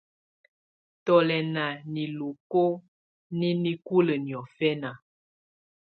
Tù lɛ̀ nà niloko nɛ̀ nikulǝ́ niɔ̀fɛna.